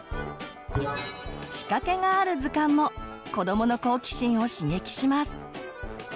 仕掛けがある図鑑も子どもの好奇心を刺激します。